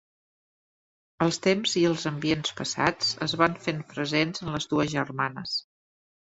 Els temps i els ambients passats es van fent presents en les dues germanes.